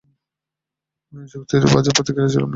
এই চুক্তির বাজার প্রতিক্রিয়া ছিল মিশ্র।